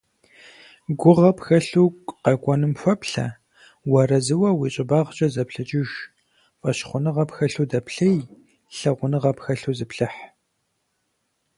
Гугъэ пхэлъу къэкӏуэнум хуэплъэ, уарэзыуэ уи щӏыбагъкӏэ зэплъэкӏыж, фӏэщхъуныгъэ пхэлъу дэплъей, лъагъуныгъэ пхэлъу зыплъыхь.